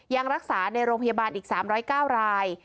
ยังรักษาในโรงพยาบาลอีก๓๐๙ราย